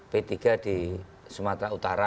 p tiga di sumatera utara